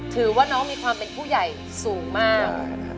ถือว่าน้องมีความเป็นผู้ใหญ่สูงมาก